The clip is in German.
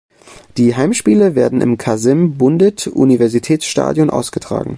Die Heimspiele werden im Kasem-Bundit-Universitäts-Stadion ausgetragen.